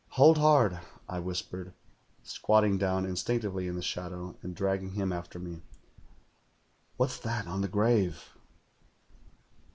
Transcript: "'Hold hard!' I whispered, squatting down in stinctively in the shadow, and dragging him after me. 'What's that on the grave?'